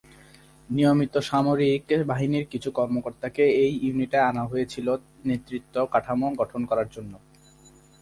নিয়মিত সামরিক বাহিনীর কিছু কর্মকর্তাকে এই ইউনিটে আনা হয়েছিলো নেতৃত্ব কাঠামো গঠন করার জন্য।